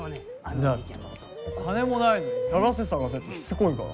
だってお金もないのに探せ探せってしつこいから。